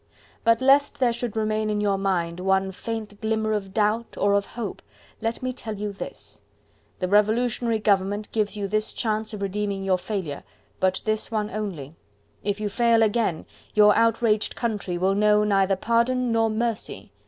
But lest there should remain in your mind one faint glimmer of doubt or of hope, let me tell you this. The Revolutionary Government gives you this chance of redeeming your failure, but this one only; if you fail again, your outraged country will know neither pardon nor mercy.